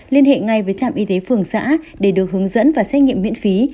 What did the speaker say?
liên hệ ngay với trạm y tế phường xã để được hướng dẫn và xét nghiệm miễn phí